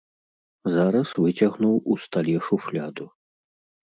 Зараз выцягнуў у стале шуфляду.